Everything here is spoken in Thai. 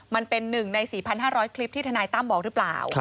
มันเป็น๑ใน๔๕๐๐คลิปที่ทนายตั้มบอกหรือเปล่า